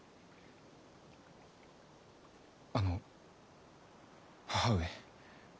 あの母上。